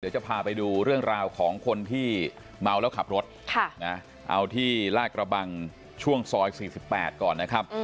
จะพาไปดูเรื่องราวของคนที่เมาแล้วขับรถเอาที่ลากระบังช่วงซอย๔๘ก่อนนะครับ